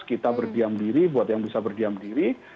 kita berdiam diri buat yang bisa berdiam diri